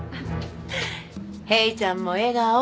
ヘイちゃんも笑顔！